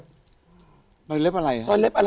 รอยเล็บอะไรครับ